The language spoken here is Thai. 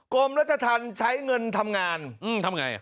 กรมรัชทันใช้เงินทำงาน